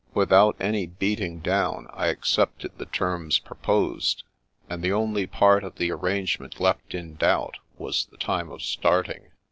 Without any beating down, I accepted the terms proposed, and the only part of the arrangement left in doubt was the time of starting.